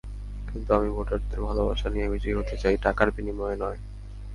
কিন্তু আমি ভোটারদের ভালোবাসা নিয়ে বিজয়ী হতে চাই, টাকার বিনিময়ে নয়।